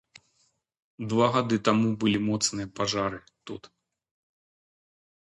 Два гады таму былі моцныя пажары тут.